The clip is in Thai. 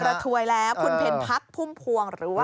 ถวยแล้วคุณเพ็ญพักพุ่มพวงหรือว่า